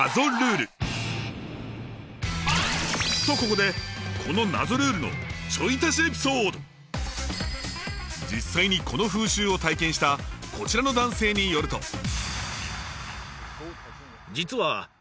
とここでこの謎ルールの実際にこの風習を体験したこちらの男性によると。